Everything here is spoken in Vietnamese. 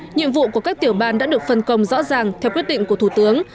nhiệm vụ của các tiểu ban đã được phân công rõ ràng theo quyết định của thủ tướng